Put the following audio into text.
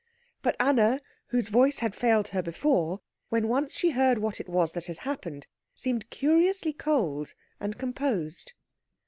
But Anna, whose voice had failed her before, when once she had heard what it was that had happened, seemed curiously cold and composed.